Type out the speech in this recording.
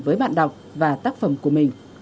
với bạn đọc và tác phẩm của mình